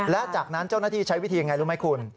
และจากนั้นเจ้าหน้าที่ใช้วิธีอย่างไรรู้ไหมคุณ